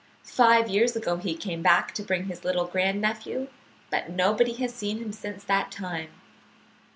Five years ago he came back to bring his little grand nephew, but nobody has seen him since that time.